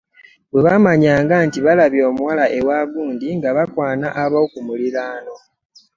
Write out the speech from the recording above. Bwe bamanyanga nti balabye omuwala ewa gundi, nga bakwana ob'okumuliraano.